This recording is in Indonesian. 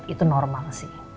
itu normal sih